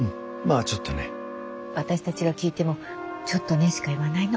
私たちが聞いてもちょっとねしか言わないの。